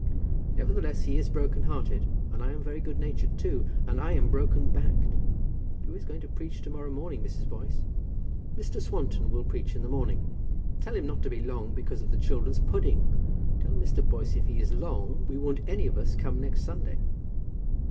"Nevertheless he is broken hearted; and I am very good natured too, and I am broken backed. Who is going to preach to morrow morning, Mrs. Boyce?" "Mr. Swanton will preach in the morning." "Tell him not to be long, because of the children's pudding. Tell Mr. Boyce if he is long, we won't any of us come next Sunday."